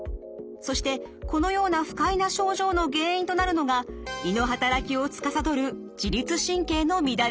そしてこのような不快な症状の原因となるのが胃の働きをつかさどる自律神経の乱れです。